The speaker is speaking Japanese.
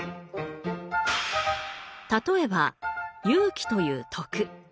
例えば「勇気」という徳。